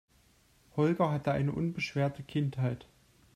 Holger hatte eine unbeschwerte Kindheit.